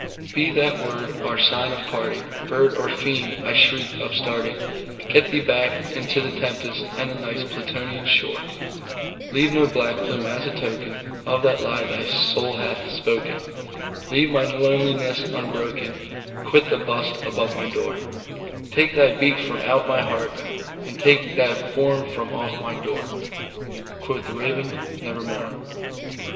"Be that word our sign of parting, bird or fiend!" I shrieked, upstarting:"Get thee back into the tempest and the Night's Plutonian shore! Leave no black plume as a token of that lie thy soul hath spoken! Leave my loneliness unbroken! quit the bust above my door! Take thy beak from out my heart, and take thy form from off my door!"Quoth the Raven, "Nevermore."